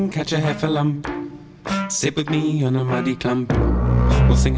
เขามาทั้ง๓คนดิ